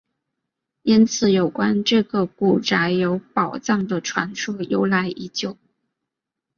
因此有关这个古宅有宝藏的传说由来已久。